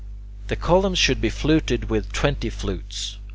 ] 9. The columns should be fluted with twenty flutes.